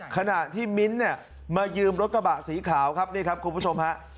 ขณะที่มิ้นท์เนี่ยมายืมรถกระบะสีขาวครับนี่ครับคุณผู้ชมฮะ